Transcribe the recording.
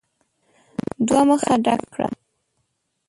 دوه مخه ډک کړه !